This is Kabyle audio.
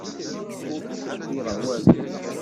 Ur ttṣekkiṛeɣ walu.